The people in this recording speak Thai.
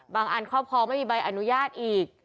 อันครอบครองไม่มีใบอนุญาตอีก